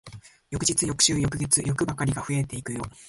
翌日、翌週、翌月、欲ばかりが増えてくよ。